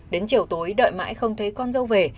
đến chiều tối đợi mãi không thấy con dâu về